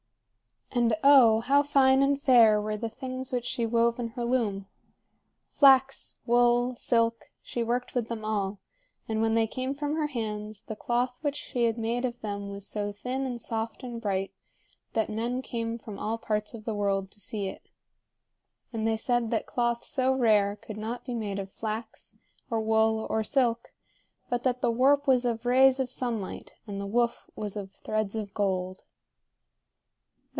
And oh, how fine and fair were the things which she wove in her loom! Flax, wool, silk she worked with them all; and when they came from her hands, the cloth which she had made of them was so thin and soft and bright that men came from all parts of the world to see it. And they said that cloth so rare could not be made of flax, or wool, or silk, but that the warp was of rays of sunlight and the woof was of threads of gold.